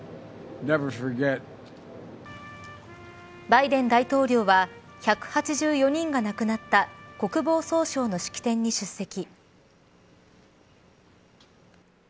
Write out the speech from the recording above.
バイデン大統領は１８４人が亡くなった国防総省の式典に出席。